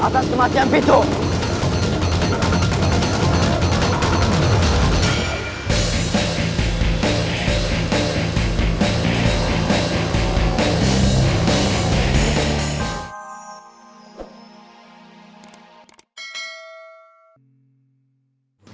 kita jangan berpisah